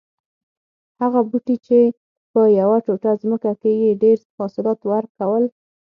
هغه بوټی چې په یوه ټوټه ځمکه کې یې ډېر حاصلات ور کول